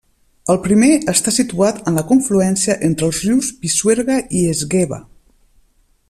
El primer està situat en la confluència entre els rius Pisuerga i Esgueva.